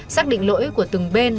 xác định lỗi của từng bên